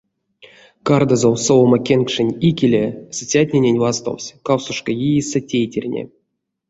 Кардазов совамо кенкшенть икеле сыцятненень вастовсь кавксошка иесэ тейтерне.